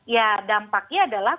ya dampaknya adalah